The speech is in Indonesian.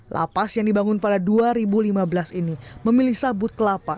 lapas yang dibangun pada dua ribu lima belas ini memilih sabut kelapa